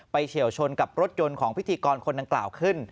เฉียวชนกับรถยนต์ของพิธีกรคนดังกล่าวขึ้น